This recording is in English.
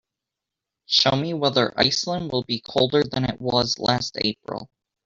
Show me whether Iceland will be colder than it was last april